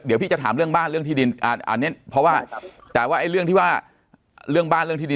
เดี๋ยวพี่จะถามเรื่องบ้านเรื่องที่ดินอันนี้เพราะว่าแต่ว่าไอ้เรื่องที่ว่าเรื่องบ้านเรื่องที่ดิน